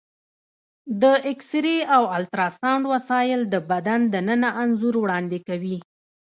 د ایکسرې او الټراساونډ وسایل د بدن دننه انځور وړاندې کوي.